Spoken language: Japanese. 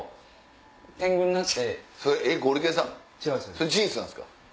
それ事実なんですか？